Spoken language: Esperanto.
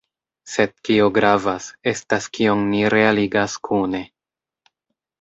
Sed kio gravas, estas kion ni realigas kune.